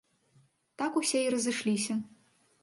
Так усе і разышліся.